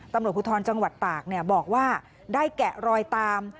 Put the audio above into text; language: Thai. ตำรวจภูทรจังหวัดตากบอกว่าได้แกะรอยตาม